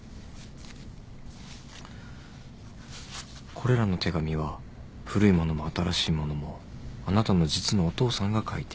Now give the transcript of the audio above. これらの手紙は古いものも新しいものもあなたの実のお父さんが書いている。